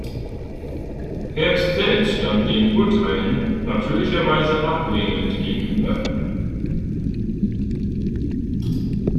Herbst selbst stand den Urteilen natürlicherweise ablehnend gegenüber.